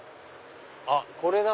あっこれだ！